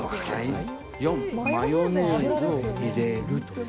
４、マヨネーズを入れる。